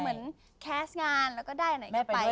เหมือนแคสต์งานแล้วก็ได้อันไหนแกไป